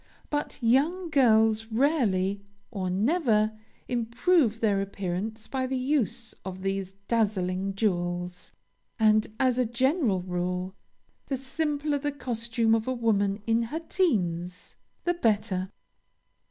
But young girls rarely, or never, improve their appearance by the use of these dazzling jewels; and, as a general rule, the simpler the costume of a woman in her teens, the better.